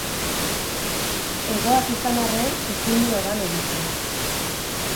Hegoak izan arren ezin du hegan egiten.